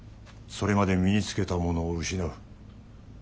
それまで身につけたものを失う。